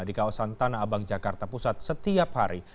di kawasan tanah abang jakarta pusat setiap hari